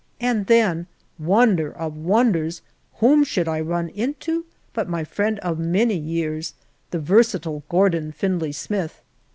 And then, wonder of wonders, whom should I run into but my friend of many years, the versatile Gordon Findlay Smith.